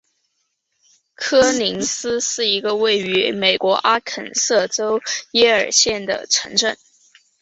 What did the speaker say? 科林斯是一个位于美国阿肯色州耶尔县的城镇。